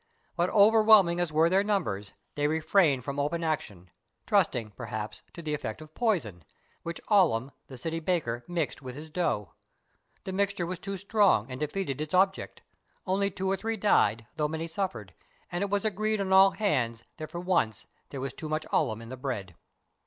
But overwhelming as were their numbers, they re frained from open action, trusting, perhaps, to the effect of poison, which Alum, the city baker, mixed with his dough. The mixture was too strong and defeated its ob ject; only two or three died, though many suffered; and it was agreed on all hands that for once there was too much alum in the bread.